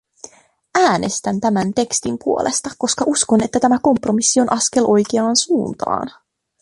Äänestän tämän tekstin puolesta, koska uskon, että tämä kompromissi on askel oikeaan suuntaan.